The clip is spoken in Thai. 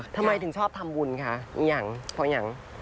ทำไมถึงชอบทำบุญคะยังพอยัง